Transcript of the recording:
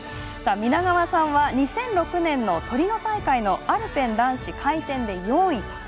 皆川さんは２００６年のトリノ大会のアルペン男子回転で４位。